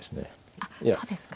あっそうですか。